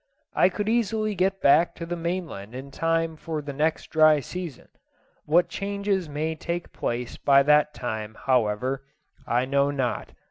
I could easily get back to the mainland in time for the next dry season. What changes may take place by that time, however, I know not.